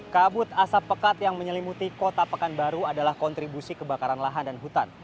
kabut asap pekat yang menyelimuti kota pekanbaru adalah kontribusi kebakaran lahan dan hutan